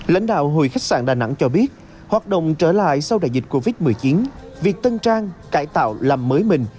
lãnh đạo hội khách sạn đà nẵng cho biết hoạt động trở lại sau đại dịch covid một mươi chín việc tân trang cải tạo làm mới mình